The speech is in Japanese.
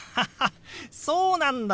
そうなんだよ！